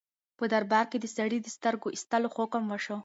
په دربار کې د سړي د سترګې د ایستلو حکم وشو.